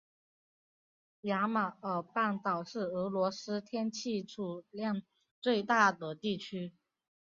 亚马尔半岛是俄罗斯天然气储量最大的地区。